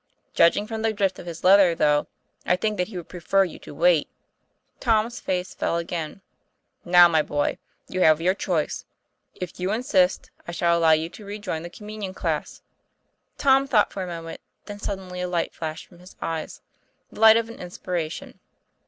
'Judging from the drift of his letter, though, I think that he would prefer you to wait." Tom's face fell again. ' Now, my boy, you have your choice. If you insist, I shall allow you to rejoin the Communion Class." Tom thought for a moment, then suddenly a light flashed from his eyes, the light of an inspiration.